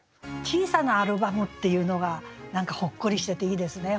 「小さなアルバム」っていうのが何かほっこりしてていいですね。